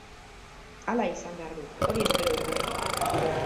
Hala izan behar du, hori espero dut behintzat.